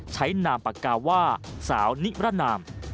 นามปากกาว่าสาวนิรนาม